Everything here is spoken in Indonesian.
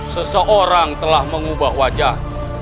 seseorang telah mengubah wajah